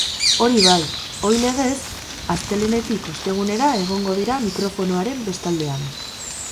Hori bai, ohi legez, astelehenetik ostegunera egongo dira mikrofonoaren bestaldean.